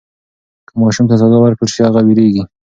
که ماشوم ته سزا ورکړل سي هغه وېرېږي.